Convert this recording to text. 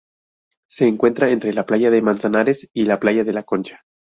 Se encuentra entre la playa de Manzanares y la playa de la Concha.